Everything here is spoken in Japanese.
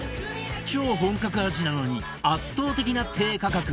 超本格味なのに圧倒的な低価格